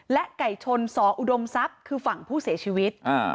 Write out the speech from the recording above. ไก่ชนสออุดมทรัพย์คือฝั่งผู้เสียชีวิต